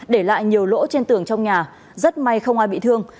để lại nhiều lỗ trên tường trong nhà rất may không ai bị thương